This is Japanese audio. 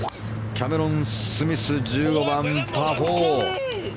キャメロン・スミス１５番、パー４。